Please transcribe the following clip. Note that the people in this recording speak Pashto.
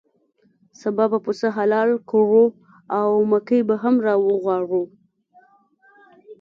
سبا به پسه حلال کړو او مکۍ به هم راوغواړو.